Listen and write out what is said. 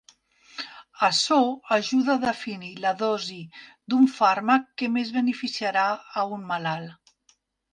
Açò ajuda a definir la dosi d'un fàrmac que més beneficiarà a un malalt.